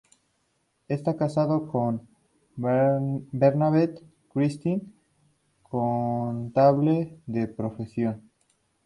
Está casado con Bernadette Christie, contable de profesión.